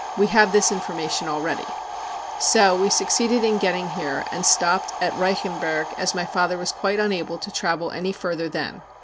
We have this information already . 5 So we succeeded in getting here, and stopped at Reichen berg, as my father was quite unable to travel any further then.